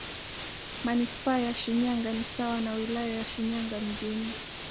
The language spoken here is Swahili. Manisipaa ya Shinyanga ni sawa na Wilaya ya Shinyanga Mjini.